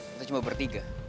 kita cuma bertiga